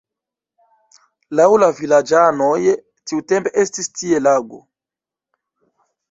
Laŭ la vilaĝanoj tiutempe estis tie lago.